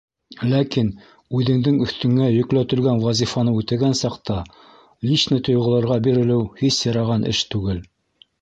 Ләкин үҙеңдең өҫтөңә йөкләтелгән вазифаны үтәгән саҡта, личный тойғоларға бирелеү һис яраған эш түгел.